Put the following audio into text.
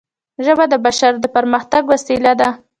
ژبه د بشر د پرمختګ وسیله ده